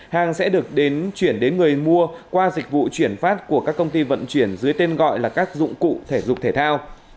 hàng sẽ được đến chuyển đến người mua qua dịch vụ chuyển phát của các công ty vận chuyển dưới tên gọi là các dụng cụ thể dục thể thao